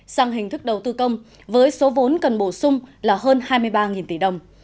sang hình thức đầu tư công với số vốn cần bổ sung là hơn hai mươi ba tỷ đồng